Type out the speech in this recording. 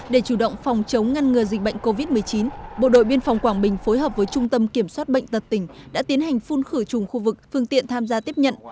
để chủ động phòng chống ngăn ngừa dịch bệnh covid một mươi chín bộ đội biên phòng quảng bình phối hợp với trung tâm kiểm soát bệnh tật tỉnh đã tiến hành phun khử trùng khu vực phương tiện tham gia tiếp nhận